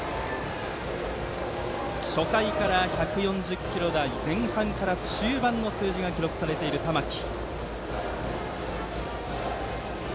初回から１４０キロ台前半から中盤の数字が記録されている玉木。